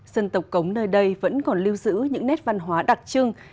dân tộc cống nơi đây vẫn còn lưu giữ những nét văn hóa đặc trưng